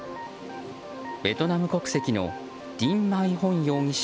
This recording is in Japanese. ベトナム国籍のディン・マイ・ホン容疑者